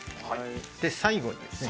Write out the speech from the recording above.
で最後にですね。